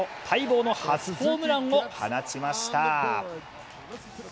待望の初ホームランを放ちました。